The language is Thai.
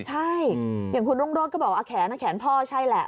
ใช่อย่างคุณรุ่งโรธก็บอกว่าแขนแขนพ่อใช่แหละ